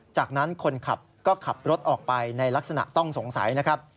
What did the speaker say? จากนั้นคนขับก็ขับรถออกไปในลักษณะต้องสงสัยนะครับ